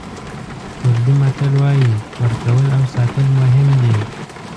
کوردي متل وایي ورکول او ساتل مهم دي.